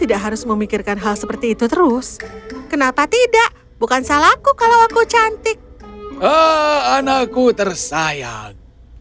ah anakku tersayang